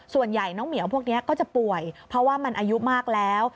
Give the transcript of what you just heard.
ส่วนใหญ่น้องเหมียวพวกนี้ก็จะป่วยเพราะว่ามันอายุมากแล้ว